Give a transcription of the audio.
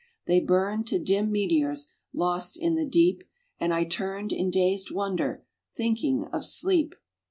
They burned to dim meteors, lost in the deep, And I turned in dazed wonder, thinking of sleep.